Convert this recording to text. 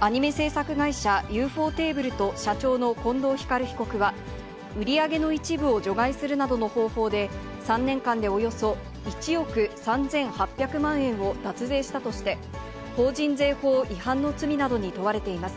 アニメ制作会社、ユーフォーテーブルと、社長の近藤光被告は、売り上げの一部を除外するなどの方法で、３年間でおよそ１億３８００万円を脱税したとして、法人税法違反の罪などに問われています。